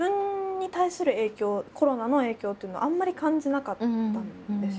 コロナの影響っていうのをあんまり感じなかったんですよ。